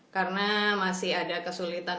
karena masih ada kesulitan